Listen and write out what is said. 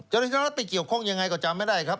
เจ้าหน้าที่รัฐไปเกี่ยวข้องยังไงก็จำไม่ได้ครับ